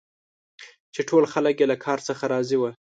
چي ټول خلک یې له کار څخه راضي وه.